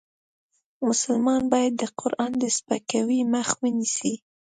مسلمان باید د قرآن د سپکاوي مخه ونیسي .